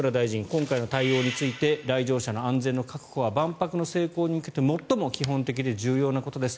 今回の対応について来場者の安全の確保は万博の成功に向けて最も基本的で重要なことです